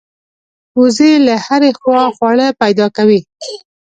وزې له هرې خوا خواړه پیدا کوي